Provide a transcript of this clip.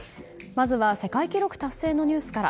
まずは世界記録達成のニュースから。